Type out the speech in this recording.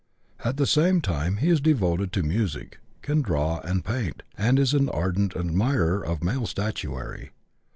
At the same time, he is devoted to music, can draw and paint, and is an ardent admirer of male statuary.